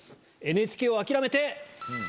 ＮＨＫを諦めて。